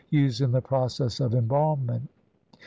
used in the process of embalmment.